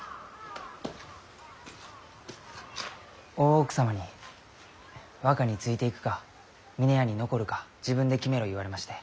大奥様に若についていくか峰屋に残るか自分で決めろ言われまして。